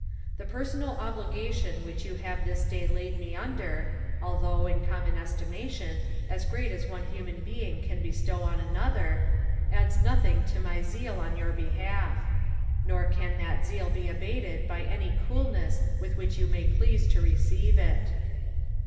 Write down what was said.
The personal obligation which you have this day laid me under (although, in common estimation, as great as one human being can bestow on another) adds nothing to my zeal on your behalf; nor can that zeal be abated by any coolness with which you may please to receive it.'